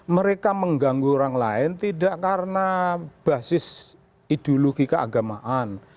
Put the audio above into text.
mereka mengganggu orang lain tidak karena basis ideologi keagamaan